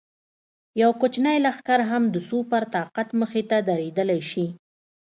یو کوچنی لښکر هم د سوپر طاقت مخې ته درېدلی شي.